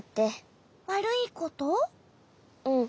うん。